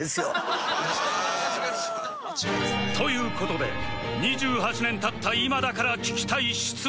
という事で２８年経った今だから聞きたい質問